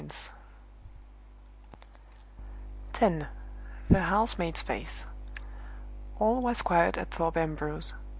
"Miss Gwilt." X. THE HOUSE MAID'S FACE. All was quiet at Thorpe Ambrose.